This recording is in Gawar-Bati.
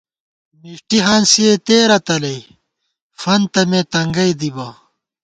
مݭٹی ہانسِئے تېرہ تلَئی فنتہ مے تنگَئ دِبہ